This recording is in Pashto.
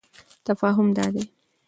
تفاهم دادی: